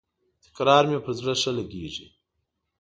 تکرار مي پر زړه ښه لګیږي.